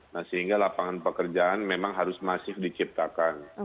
nah sehingga lapangan pekerjaan memang harus masif diciptakan